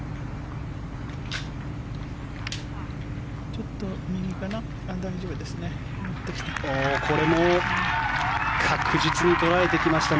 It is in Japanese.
ちょっと右かな大丈夫ですね、乗ってきた。